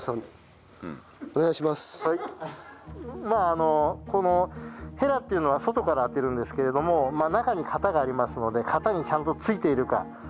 まああのこのへらっていうのは外から当てるんですけれども中に型がありますので型にちゃんとついているか。